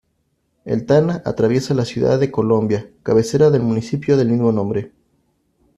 El Tana atraviesa la ciudad de Colombia, cabecera del municipio del mismo nombre.